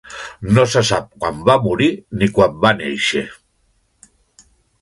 No se sap quan va morir ni quan va néixer.